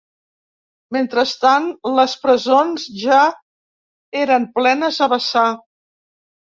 Mentrestant, les presons ja eren plenes a vessar